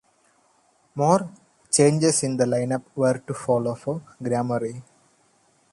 More changes in the lineup were to follow for Gamma Ray.